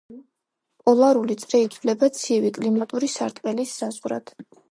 პოლარული წრე ითვლება ცივი კლიმატური სარტყლის საზღვრად.